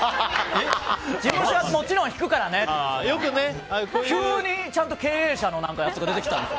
事務所はもちろん引くからねって急にちゃんと経営者のやつが出てきたんです。